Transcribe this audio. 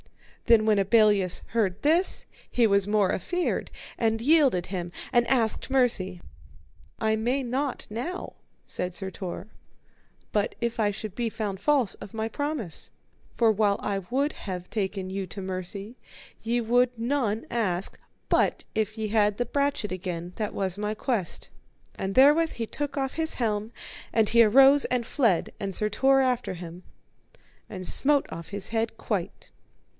Then when Abelleus heard this, he was more afeard, and yielded him and asked mercy. I may not now, said Sir Tor, but if I should be found false of my promise; for while I would have taken you to mercy ye would none ask, but if ye had the brachet again, that was my quest. And therewith he took off his helm, and he arose and fled, and Sir Tor after him, and smote off his head quite.